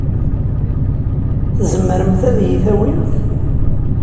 Tzemremt ad iyi-tawimt?